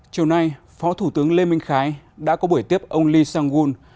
chiều nay phó thủ tướng lê minh khái đã có buổi tiếp ông lee sang gun